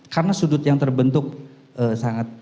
karena sudut yang terbentuk sangat